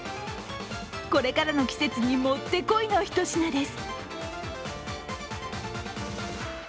これからの季節にもってこいのひと品です。